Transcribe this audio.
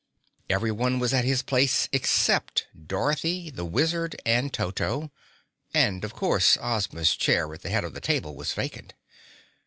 Everyone was at his place except Dorothy, the Wizard and Toto and of course Ozma's chair at the head of the table was vacant.